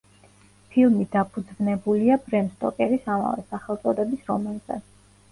ფილმი დაფუძვნებულია ბრემ სტოკერის ამავე სახელწოდების რომანზე.